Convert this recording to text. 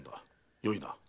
よいな？